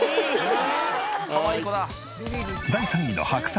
第３位の白菜。